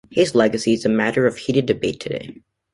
His legacy is a matter of heated debate today.